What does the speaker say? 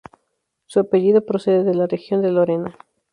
Su apellido procede de la región de Lorena.